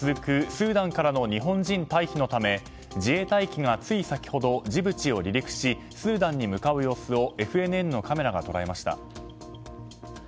スーダンからの日本人退避のため自衛隊機が、つい先ほどジブチを離陸しスーダンに向かう様子をＦＮＮのカメラが捉えました。